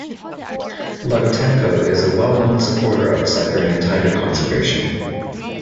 Lagutenko is a well-known supporter of Siberian tiger conservation.